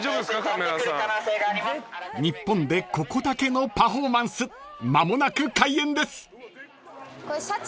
［日本でここだけのパフォーマンス間もなく開演です］